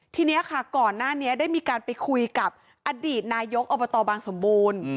ทีนี้ค่ะก่อนหน้านี้ได้มีการไปคุยกับอดีตนายกอบตบางสมบูรณ์